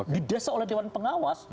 gidesa oleh dewan pengawas